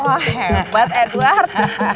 wah hebat edward